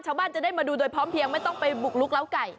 ชาวบ้านจะได้มาดูโดยพร้อมเพียงไม่ต้องไปบุกลุกเล้าไก่